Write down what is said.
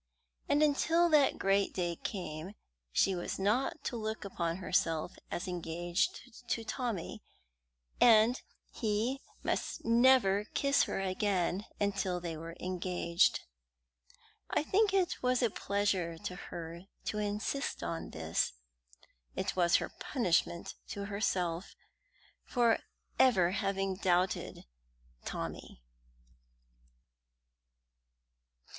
And until that great day came she was not to look upon herself as engaged to Tommy, and he must never kiss her again until they were engaged. I think it was a pleasure to her to insist on this. It was her punishment to herself for ever having doubted Tommy.